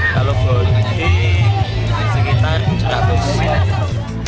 kalau bodi sekitar seratus jutaan